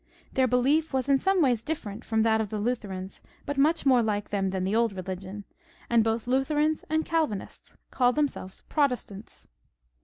Their belief was in some ways different from that of the Lutherans, but much more like them than like the old religion, and both Lutherans and Calvinists called them selves Protestants.